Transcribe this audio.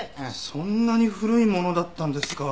そんなに古いものだったんですか。